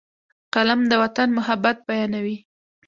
قلم د وطن محبت بیانوي